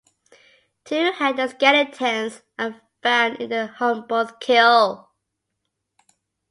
Two headless skeletons are found in the Humboldt Kill.